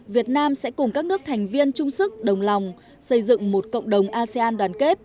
việt nam sẽ cùng các nước thành viên chung sức đồng lòng xây dựng một cộng đồng asean đoàn kết